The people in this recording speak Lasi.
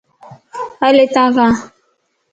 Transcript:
ھل ھتان ڪان